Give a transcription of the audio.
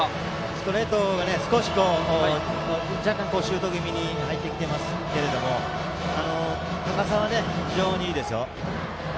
ストレートが少しややシュート気味に入ってきていますが高さは非常にいいですよ。